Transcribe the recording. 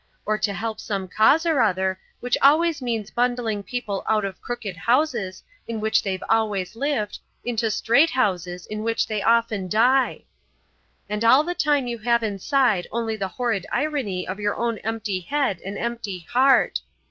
Or to help some cause or other, which always means bundling people out of crooked houses, in which they've always lived, into straight houses, in which they often die. And all the time you have inside only the horrid irony of your own empty head and empty heart.